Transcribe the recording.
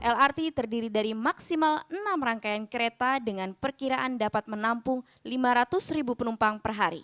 lrt terdiri dari maksimal enam rangkaian kereta dengan perkiraan dapat menampung lima ratus ribu penumpang per hari